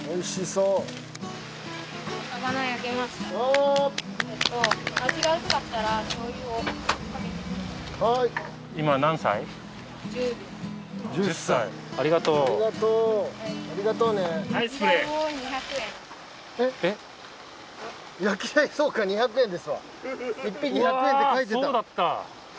うわそうだった。